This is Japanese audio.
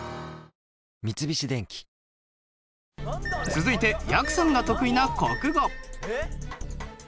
続いてやくさんが得意な国語。